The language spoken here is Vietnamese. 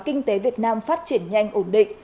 kinh tế việt nam phát triển nhanh ổn định